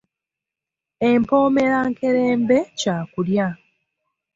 Empoomerankerembe kya kulya.